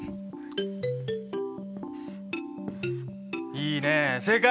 いいねえ正解！